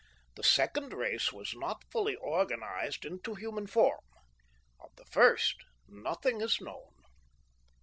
The second race was not fully organized into human form. Of the first, nothing is known.